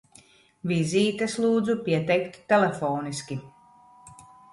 Vizītes lūdzu pieteikt telefoniski!